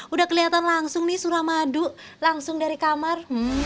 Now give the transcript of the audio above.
udah kelihatan langsung nih suramadu langsung dari kamar